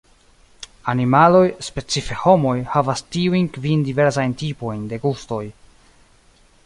Animaloj, specife homoj, havas tiujn kvin diversajn tipojn de gustoj.